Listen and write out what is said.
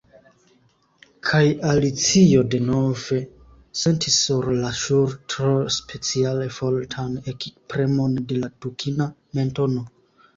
Kaj Alicio denove sentis sur la ŝultro speciale fortan ekpremon de la dukina mentono.